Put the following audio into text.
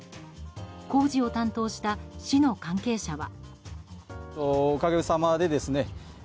工事を担当した市の関係者は。